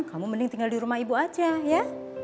kamu mending tinggal di rumah ibu aja ya